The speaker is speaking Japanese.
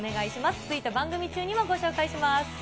ツイート、番組中にもご紹介します。